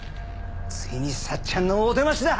ついに幸ちゃんのお出ましだ！